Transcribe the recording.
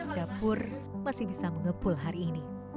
dapur masih bisa mengepul hari ini